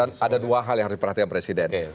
dan ada dua hal yang harus diperhatikan presiden